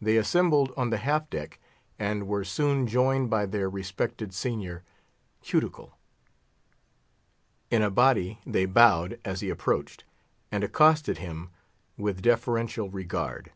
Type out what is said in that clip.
They assembled on the half deck, and were soon joined by their respected senior, Cuticle. In a body they bowed as he approached, and accosted him with deferential regard.